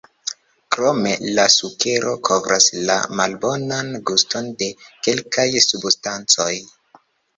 Krome la sukero kovras la malbonan guston de kelkaj substancoj.